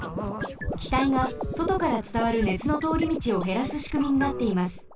きたいがそとからつたわる熱の通りみちをへらすしくみになっています。